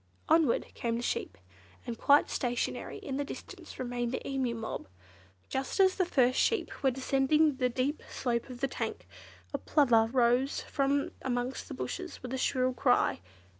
Onward came the sheep, and quite stationary in the distance remained the Emu mob. Just as the first sheep were descending the deep slope of the tank, a Plover rose from amongst the bushes with a shrill cry.